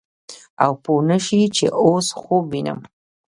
او پوه نه سې چې اوس خوب وينم.